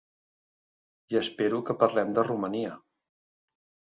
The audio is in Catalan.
I espero que parlem de Romania.